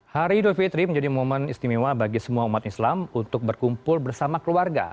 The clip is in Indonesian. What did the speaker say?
hari idul fitri menjadi momen istimewa bagi semua umat islam untuk berkumpul bersama keluarga